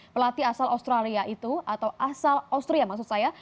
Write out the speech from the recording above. pelatih asal australia itu atau asal austria maksud saya